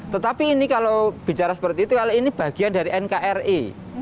tetapi ini kalau bicara seperti itu ini bagian dari nkri